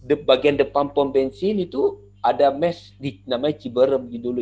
nah di sebelah bagian depan pom bensin itu ada mes namanya ciberem gitu dulu